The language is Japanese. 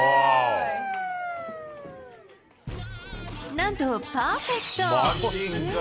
なんとパーフェクト。